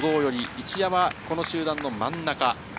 一山は集団の真ん中。